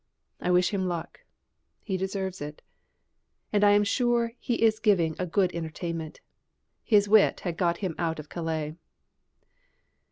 I wish him luck; he deserves it. And I am sure he is giving a good entertainment. His wit had got him out of Calais!